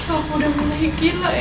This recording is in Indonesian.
aku udah mulai gila ya